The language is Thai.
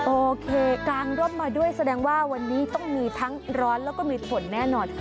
โอเคกางร่มมาด้วยแสดงว่าวันนี้ต้องมีทั้งร้อนแล้วก็มีฝนแน่นอนค่ะ